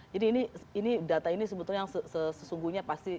jadi ini ini data ini sebetulnya sesungguhnya pasti